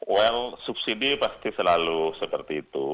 well subsidi pasti selalu seperti itu